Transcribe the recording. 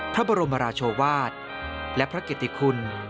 พระบรมราชวาสและพระเกติคุณ